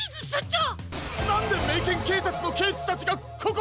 なんでメイケンけいさつのけいじたちがここに！？